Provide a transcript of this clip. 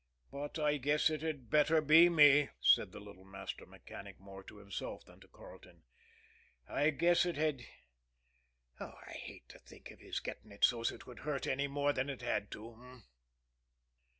"But I guess it had better be me," said the little master mechanic, more to himself than to Carleton. "I guess it had I'd hate to think of his getting it so's it would hurt any more than it had to, h'm?"